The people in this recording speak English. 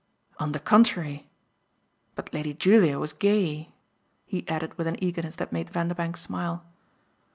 "On the contrary. But Lady Julia was gay!" he added with an eagerness that made Vanderbank smile.